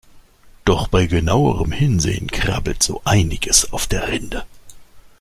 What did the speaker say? Doch bei genauerem Hinsehen krabbelt so einiges auf der Rinde.